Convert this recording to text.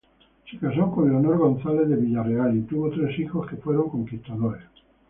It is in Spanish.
Se casó con Leonor González de Villarreal y tuvo tres hijos que fueron conquistadores.